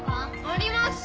あります。